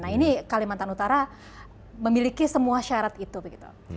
nah ini kalimantan utara memiliki semua syarat itu begitu